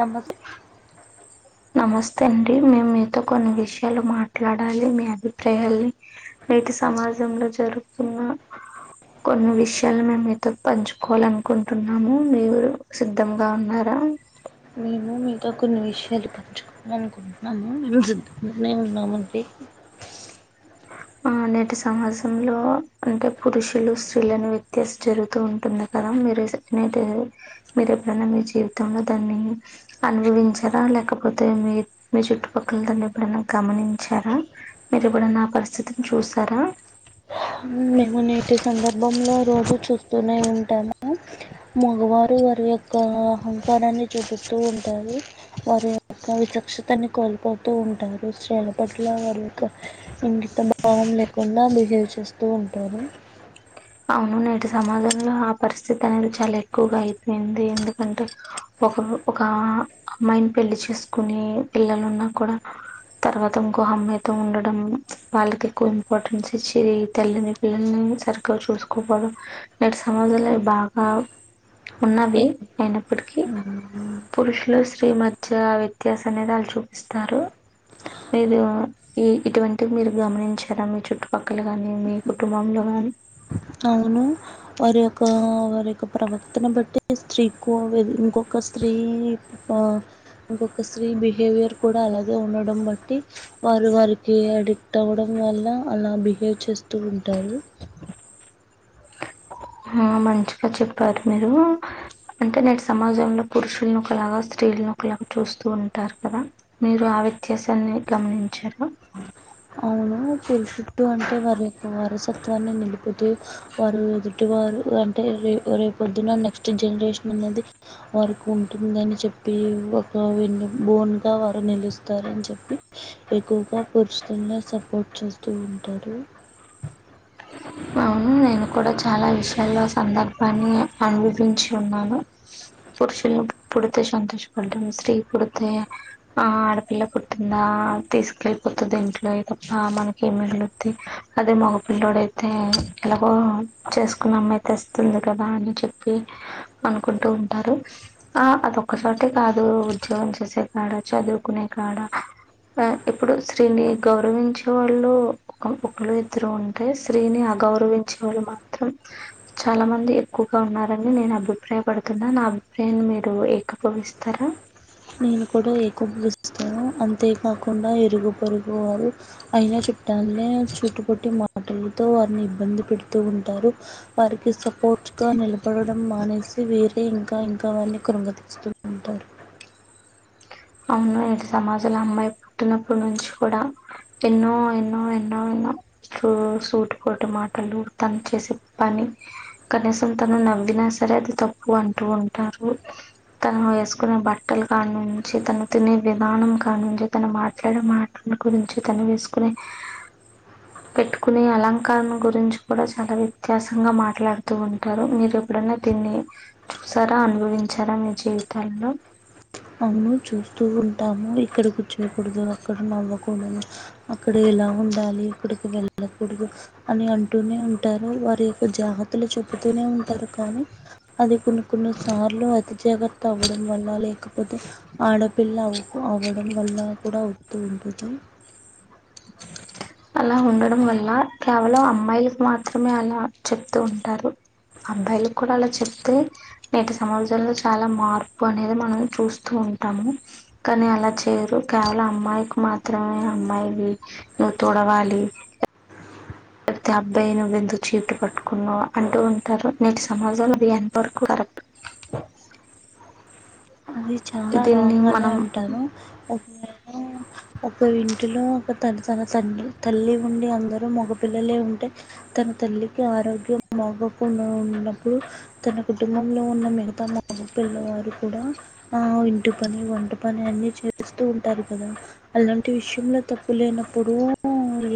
నమస్ నమస్తే అండి మేము మీతో కొన్ని విషయాలు మాట్లాడాలి మీ అభిప్రాయాల్ని నేటి సమాజంలో జరుగుతున్న కొన్ని విషయాలు మే మీతో పంచుకోవాల అనుకుంటున్నాము మీరు సిద్ధంగా ఉన్నారా మేము మీతో కొన్ని విషయాలు పంచుకోవాలనుకుంటున్నాను మేము సిద్దంగానే ఉన్నామండి ఆ నేటి సమాజంలో అంటే పురుషులు స్త్రీలను వ్యత్యస జరుగుతూ ఉంటుంది కదా మీరు నేటి మీరు ఎప్పుడైనా మీ జీవితంలో దాన్ని అనుభవించారా లేకపోతే మీ మీ చుట్టుపక్కల దాన్ని ఎప్పుడైనా గమనించారా మీరు ఎప్పుడైనా పరిస్థితి అతను చూసారా మేము నేటి సందర్భంలో రోజు చూస్తూనే ఉంటాము మగవారు వారి యొక్క అహంకారాన్ని చూపిస్తూ ఉంటారు వారి యొక్క విచక్షతని కోల్పోతూ ఉంటారు స్త్రీల పట్ల వారి యొక్క ఇంగీత భావం లేకుండా బిహేవ్ చేస్తూ ఉంటారు అవును నటి సమాజంలో ఆ పరిస్థితి అనేది చాలా ఎక్కువగా అయిపోయింది ఎందుకంటే ఒక ఒక అమ్మాయిని పెళ్లి చేసుకుని పిల్లలు ఉన్నా కూడా తర్వాత ఇంకో అమ్మాయితో ఉండడం వాళ్ళకి ఎక్కువ ఇంపార్టెన్స్ ఇచ్చేది తల్లిని పిల్లల్ని సరి చూసుకోపోవడం నేటి సమాజంలో బాగా ఉన్నవి అయినప్పటికీ పురుషులు స్త్రీ మధ్య వ్యత్యాస అనేది వాళ్ళు చూపిస్తారు మీరు ఈ ఇటువంటివి మీరు గమనించారా మీ చుట్టుపక్కల గాని మీ కుటుంబంలో గాని అవును వారి యొక్క వారి యొక్క ప్రవర్తన బట్టి స్త్రీకు ఇంకొక స్త్రీ ఇంకొక స్త్రీ బిహేవియర్ కూడా అలాగే ఉండడం బట్టి వారు వారికి అడిక్ట్ అవ్వడం వల్ల అలా బిహేవ్ చేస్తూ ఉంటారు ఆ మంచిగా చెప్పారు మీరు అంటే నేటి సమాజంలో పురుషులను ఒకలాగా స్త్రీలను ఒకలాగా చూస్తూ ఉంటారు కదా మీరు ఆ వ్యత్యాసాన్ని గమనించార అవును పురుషుడు అంటే వారి యొక్క వారసత్వాన్ని నిలుపుతూ వారు ఎదుటి వారు అంటే రే రేపొద్దున నెక్స్ట్ జనరేషన్ అన్నది వారికి ఉంటుందిని చెప్పి ఒక వెను బోన్ గా వారు నిలుస్తారని చెప్పి ఎక్కువగారు స్తుంగా సపోర్ట్ చేస్తూ ఉంటారు అవును నేను కూడా చాలా విషయాల్లో సందర్భాన్ని అనుభవించి ఉన్నాను పురుషులు పుడితే సంతోషపడ్డాం స్త్రీ పుడితే ఆ ఆడపిల్ల పుట్టిందా తీసుకెళ్ళిపోతుంది ఇంట్లో తప్ప మనకి ఏమి మిగులుద్ది అదే మగపిల్లోడై అయితే ఎలాగో చేసుకున్నామయి అయితే వస్తుంది కదా అని చెప్పి అనుకుంటూ ఉంటారు ఆ అదొక్క చోటే కాదు ఉద్యోగం చేసే కాడ చదువుకునే కాడ ఆ ఇప్పుడు స్త్రీని గౌరవించే వాళ్ళు ఒక ఒకళు ఇద్దరు ఉంటే స్త్రీని అగౌరవించే వాళ్ళు మాత్రం చాలా మంది ఎక్కువగా ఉన్నారని నేను అభిప్రాయపడుతున్నా నా అభిప్రాయాన్ని మీరు ఏకభవిస్తారా నేను కూడా ఎక్కువ ఏకీభవిస్తాను అంతేకాకుండా ఇరుగు పరుగు వారు అయిన చుట్టల్నే చుట్టు పొట్టి మాట్ మాటలతో వారిని ఇబ్బంది పెడుతూ ఉంటారు వారికి సపోర్ట్గా నిలబడడం మానేసి వేరే ఇంకా ఇంకా వారిని క్రుంగతీస్తూ ఉంటారు అవును సమాజంలో అమ్మాయి పుట్టినప్పుడు నుంచి కూడా ఎన్నో ఎన్నో ఎన్నో ఎన్నో సూటు పోట మాటలు తను చేసే పని కనీసం తను నవ్వినా సరే అది తప్పు అంటూ ఉంటారు తను వేసుకునే బట్టలు కాని తను తినే విధానం కానించి తను మాట్లాడే మాటల గురించి తను వేసుకునే పెట్టుకునే అలంకారం గురించి కూడా చాలా వ్యత్యాసంగా మాట్లాడుతూ ఉంటారు మీరు ఎప్పుడైన్నా తిని చూసారా అనుభవించారా మీ జీవితంలో అవును చూస్తూ ఉంటాము ఇక్కడ కూర్చోకూడదు అక్కడ నవ్వకూడదు అక్కడ ఎలా ఉండాలి ఇక్కడికి వెళ్ళకూడదు అని అంటూనే ఉంటారు వారి యొక్క జాగ్రత్తలు చెపుతూనే ఉంటారు కానీ అది కొన్ని కొన్ని సార్లు అతి జాగ్రత్త అవ్వడం వల్ల లేక పోతే ఆడపిల్ల అవ అవడం వల్ల కూడా అవుతూ ఉంటుది అలా ఉండడం వల్ల కేవలం అమ్మాయిలకు మాత్రమే అలా చెప్తూ ఉంటారు అబ్బాయిలకి కూడా అలా చెప్తే నేటి సమాజంలో చాలా మార్పు అనేది మనం చూస్తూ ఉంటాము కానీ అలా చేయరు కేవలం అమ్మాయికి మాత్రమే అమ్మాయివి ను తొడవాలి లేపోతే అబ్బాయి నువ్వెందుకు చీపురు పట్టుకున్నావు అంటూ ఉంటారు నేటి సమాజంలో అది ఎంతవరకు కరెక్ట్ అది చాలా దీన్ని రాంగ్గానే మనం అంటాను ఒమ్మె ఒక ఇంటిలో ఒక తల్ తన తండ్ తల్లి ఉండి అందరూ మగపిిల్లలే ఉంటే తన తల్లికి ఆరోగ్యం మగకుండా ఉన్నప్పుడు తన కుటుంబంలో ఉన్న మిగతా మగపిల్ల వారు కూడా ఆ ఇంటి పని వంట పని అన్ని చేస్తూ ఉంటారు కదా అలాంటి విషయంలో తప్పు లేనప్పుడు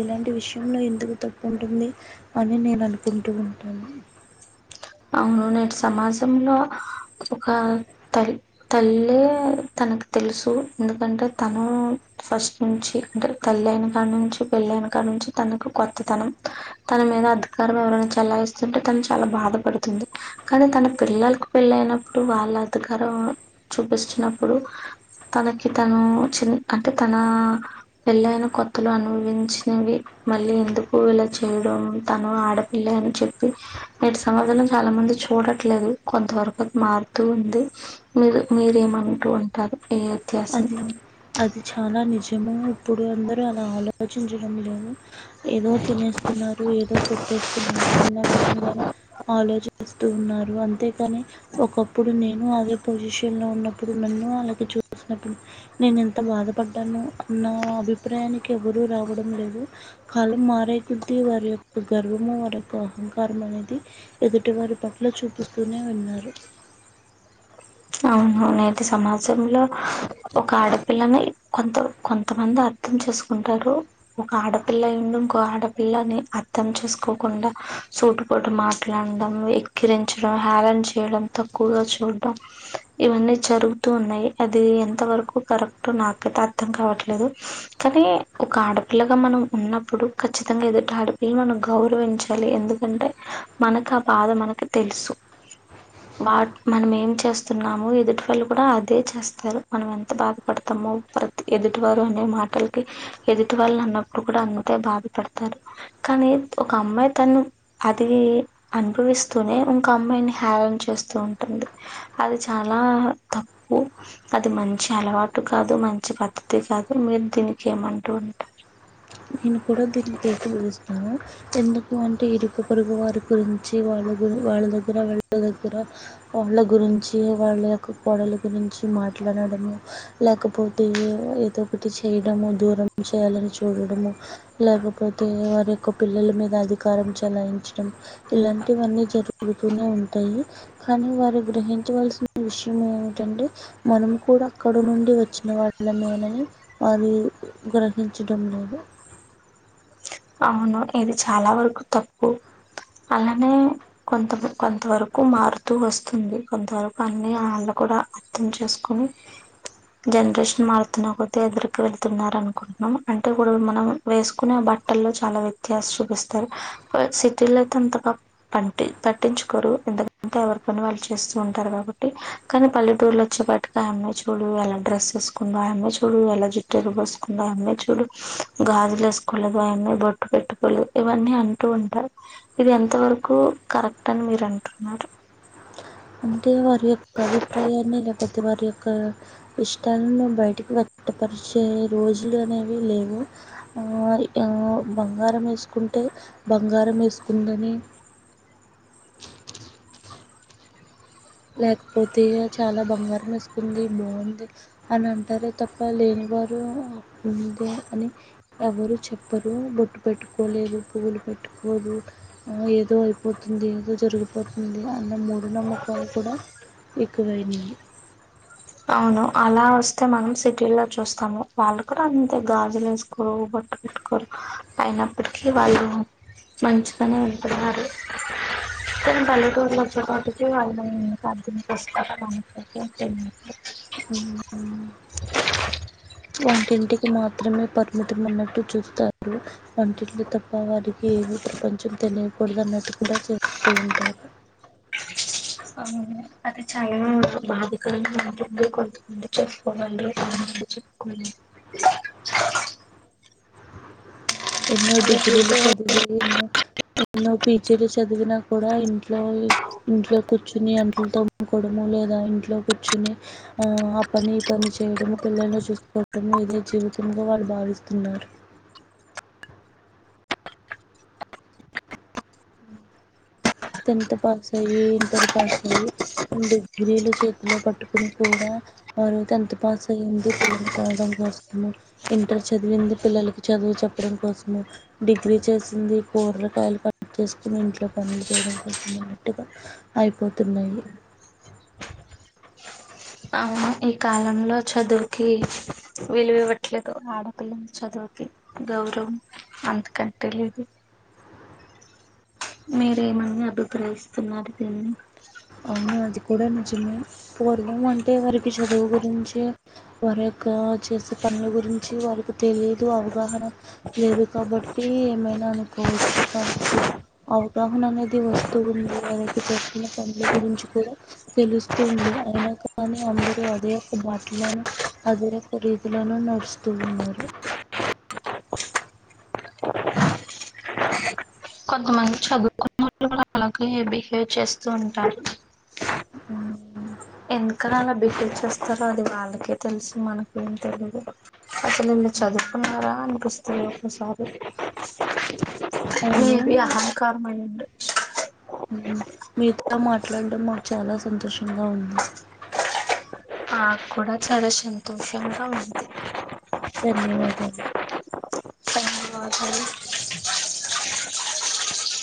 ఇలాంటి విషయంలో ఎందుకు తప్పు ఉంటుంది అని నేను అనుకుంటూ ఉంటాను అవును న సమాజంలో ఒక తల్ తల్లి తనకు తెలుసు ఎందుకంటే తను ఫస్ట్ నుంచి అంటే తల్ అయిన కాడి నుంచి పెళ్ళ అయిన కాడి నుంచి తనకు కొత్తతనం తన మీద అధికారం ఎవరనా చెల్లాయిస్తుంటే తను చాలా బాధపడుతు తుంది కానీ తన పిల్లలకు పెళ్ళ అయినప్పుడు వాళ్ళ అధికారం చూపిచ్చినప్పుడు తనకి తను చిన్న అంటే తన పెళ్ళయిన కొత్తలు అనుభవించినవి మళ్ళీ ఎందుకు ఇలా చేయడం తను ఆడపిల్ల అని చెప్పి నేటి సమాధానం చాలా మంది చూడట్లేదు కొంత వరకు మారుతూ ఉంది మీరు మీరేమంటూ ఉంటారు ఏ అది అది చాలా నిజం ఏమో ఇప్పుడు అందరూ అలా ఆలోచించడం లేదు ఏదో తినేస్తున్నారు ఏదో పెట్టేస్తున్నారు అన్న విధంగానే ఆలోచిస్ టు ఉన్నారు అంతేకాని ఒకప్పుడు నేను అదే పొజిషన్ లో ఉన్నప్పుడు నన్ను వాళ్ళకు చూ సినపుడు నేను ఎంత బాధపడ్డాను అ నా అభిప్రాయానికి ఎవరూ రావడం లేదు కాలం మారే కొద్ద వారి యొక్క గర్వము వారి యొక్క అహంకారం అనేది ఎదుటివారి పట్ల చూపిస్తూనే ఉన్నారు అవును నేటి సమాజంలో ఒక ఆడపిల్లని కొంత కొంతమంది అర్థం చేసుకుంటారు ఒక ఆడపిల్ల ఉండి ఇంకో ఆడపిల్లని అర్థం చేసుకోకుండా సూటు పోటు మాట్లాడడం ఎక్కిరించడం హేరన్ చేయడం తక్కువగా చూడడం ఇవన్నీ జరుగుతూ ఉన్నాయి అది ఎంత వరకు కరెక్ట్ నాకతే అర్థం కావట్లేదు కానీ ఒక ఆడపిల్లగా మనం ఉన్నప్పుడు ఖచ్చితంగా ఎదుటి ఆడపిల్ల మనం గౌరవించాలి ఎందుకంటే మనకు ఆ బాధ మనకి తెలుసు వా మనం ఏం చే చేస్తున్నాము ఎదుటి వాళ్ళు కూడా అదే చేస్తారు మనం ఎంత బాధపడతామో ప్రతి ఎదుటివారు అనే మాటలకి ఎదుటి వాళ్ళు అన్నప్పుడు కూడా అంతే బాధపడతారు కానీ ఒక అమ్మాయి తను అది అనుభవిస్తూనే ఇంక అమ్మాయిని హేరన్ చేస్తూ ఉంటుంది అది చాలా తప్పు అది మంచి అలవాటు కాదు మంచి పద్ధతి కాదు మీరు దీనికి ఏమంటూ ఉంటారు నేను కూడా దీనికి ఏకీభవిస్తాను ఎందుకు అంటే ఇరుక పొరుగు వారి గురించి వాళ్ళ గురి వాళ్ళ దగ్గర వాళ్ళ దగ్గర వాళ్ళ గురించి వాళ్ళ యొక్క కోడల గురించి మాట్లాడడము లేకపోతే ఏదో ఒకటి చేయడము దూరం చేయాలని చూడడము లేకపోతే వారి యొక్క పిల్లల మీద అధికారం చెలాయించడం ఇలాంటివన్నీ జరుగుతూనే ఉంటాయి కానీ వారు గ్రహించవలసిన విషయం ఏమిటంటే మనం కూడా అక్కడ నుండి వచ్చిన వాళ్ళమేనని వారి గ్రహించడం లేదు అవును ఇది చాలా వరకు తప్పు అలానే కొంత కొంత వరకు మారుతూ వస్తుంది కొంతవరకు అన్ని వాళ్ళ కూడా అర్థం చేసుకుని జనరేషన్ మారుతున్నా కొతే ఎదురికి వెళతున్నారు అనుకుంటున్నాం అంటే కూడా మనం వేసుకునే బట్ టల్లో చాలా వ్యత్యాస చూపిస్తారు సిటీలో అయితే అంతగా ప పట్టించుకోరు ఎంతకంటే ఎవరి పని వాళ్ళు చేస్తూ ఉంటారు కాబట్టి కానీ పల్లెటూర్లో వచ్చేపాటుగా అమ్మ చూడు ఎలా డ్రెస్ వేసుకుందో ఆ అమ్ చూడు ఎలా జుట్టటు రు పోసుకుందో ఆ అమ్మే చూడు గాజులు ఏసుకోలేదు ఆ అమ్మాయి బొట్టు పెట్టుకోలు ఇవన్నీ అంటూ ఉంటారు ఇది ఎంత వరకు కరెక్ట్ అని మీరు అంటున్నారు అంటే వారి యొక్క అభిప్రాయాన్ని లేకపోతే వారి యొక్క ఇష్టాలను బయటికి వెట్టపరిచే రోజులు అనేవి లేవు బంగారం వేసుకుంటే బంగారం వేసుకుందని లేకపోతే చాలా బంగారం వేసుకుంది బాగుంది అని అంటారే తప్ప లేనివారు ఉంది అని ఎవరు చెప్పరు బొట్టు పెట్టుకోలేదు పువ్వులు పెట్టుకోదు ఆ ఏదో అయిపోతుంది ఏదో జరిగిపోతుంది అన్న మూడు నమ్మకాలకు కువైనయ్ అవును అలా వస్తే మనం సిటీల్లో చూస్తాము వాళ్ళు కూడా అంతే గాజులు వేసుకోరు బొట్ట పెట్టుకోరు అయినప్పటికీ వాళ్ళు మంచిగానే ఉంటున్నారు దను పల్లెటూరుుల వచ్చేపాటికి వాళ్ళుస్తారు ఉమ్. వంటింటికి మాత్రమే పరిమితం అన్నట్టు చూస్తారు వంటింటి తప్పు వారినికి ఏమి ప్రపంచం తినయ కూడదు అన్నట్టు కూడా చేప్పుతు ఉంటారు అ అది చాలా బాధకంగా ఉంటుంది కొంతమంది చెప్పుకోగలరు కొంతంది చెప్పుకోలేరు ఎన్నో అలా డిగ్రీ లు చూసే చదివి ఎన్నో పీచీలు చదివినా కూడా ఇంట్లో ఇంట్లో కూర్చుని అంట్లు తోముకోవడము లేదా ఇంట్లో కూర్చుని ఆ పని ఈ పని చేయడము పిల్లలను చూసుకోవడము ఇదే జీవితంగా వాళ్ళు భావిస్తున్నారు టెన్త్ పాస్ అయ్యి ఇంటర్ పాస్ అయ్యి డిగ్రీలు చేతిలో పట్టుకుని కూడా వారు టెన్త్ పాస్ అయ్యింది పిల్లని కనడం కోసము ఇంటర్ చదివింది పిల్లలకి చదువు చెప్పడం కోసము డిగ్రీ చేసింది కూరలకాయలు కట్ చేసుకుని ఇంట్లో పలు డం కో మాటగా అయిపోతున్నాయి అవును ఈ కాలంలో చదువుకి విలువ ఇవ్వట్లేదు ఆడపిల్లల చదువుకి గౌరవం అంతకట్టే లేదు మీరేమన్న అభిప్రాయస్ న్నారు దిని అవును అది కూడా నిజమే పూర్వం అంటే వారికి చదువు గురించి వారి యొక్క చేసే పనుల గురించి వారికి తెలియదు అవగాహన లేదు కాబట్టి ఏమైనా అనుకోవచ్చు కానీ ఇప్పుడు అవగాహన అనేది వస్తుూ ఉంది వారి యొక్క చేస్తున్న పనుల గురించి కూడా తెలుస్తుంది అయినా కానీ అందరూ అదే ఒక బాటలను అదే ఒక రీతిలను నడుస్తూ ఉన్నారు కొంతమంది చదువుకున్నట్లు అలాగే బిహేవ్ చేస్తూ ఉంటారు ఉ ఎందుకని అలా బిటహేవ్ చేస్తారో అది వాళ్ళకే తెలుసు మనకేం తెలీదు అసలు నిన్ను చదువుకున్నారా అ కస్త ప్రసారు అవును మేబి అహంకారమ అయ్యడు మీతో మా ట్లాడం మాకు చాలా సంతోషంగా ఉంది నాక్కూడా చాలా సంతోషంగా ఉంది ధన్యవాదాలు ధన్వాద [unintelligible]